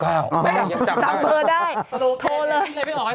จำเบอร์ได้โทรเลย